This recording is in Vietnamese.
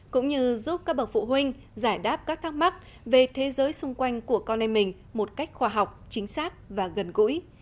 cũng như giúp các bậc phụ huynh giải đáp các thắc mắc về thế giới xung quanh của con em mình một cách khoa học chính xác và gần gũi